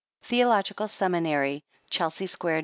Theological Seminary, Chelsea Square, N.